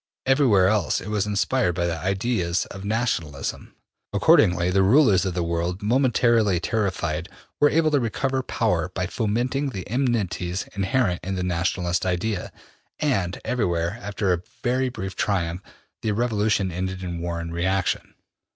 Everywhere else it was inspired by the ideas of nationalism. Accordingly, the rulers of the world, momentarily terrified, were able to recover power by fomenting the enmities inherent in the nationalist idea, and everywhere, after a very brief triumph, the revolution ended in war and reaction.